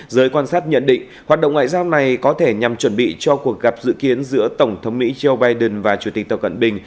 giới quan sát nhận định hoạt động ngoại giao này có thể nhằm chuẩn bị cho cuộc gặp dự kiến giữa tổng thống mỹ joe biden và chủ tịch tập cận bình